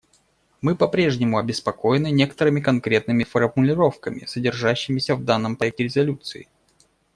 Мы попрежнему обеспокоены некоторыми конкретными формулировками, содержащимися в данном проекте резолюции.